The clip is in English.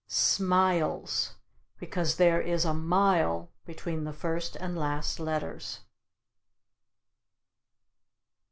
Smiles; because there is a mile between the first and last letters.